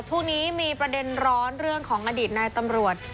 ช่วงนี้มีประเด็นร้อนเรื่องของอดีตนายตำรวจ